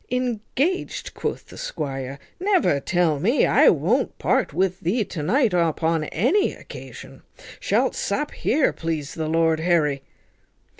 "Engaged!" quoth the squire, "never tell me. I won't part with thee to night upon any occasion. Shalt sup here, please the lord Harry."